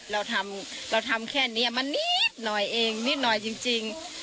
เราทำแค่นี้มันนิดหน่อยเองนิดหน่อยจริง